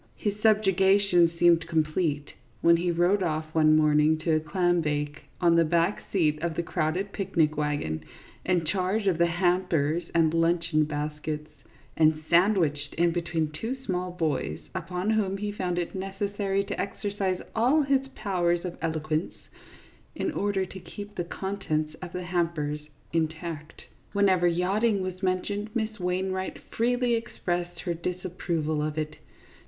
His subjugation seemed complete when he rode off one morning to a clambake, on the back seat of the crowded picnic wagon, in charge of the hampers and luncheon baskets, and sandwiched in between two small boys, upon whom he found it necessary to exercise all his powers of eloquence in order to keep the contents of the hampers intact. Whenever yachting was mentioned, Miss Wain wright freely expressed her disapproval of it.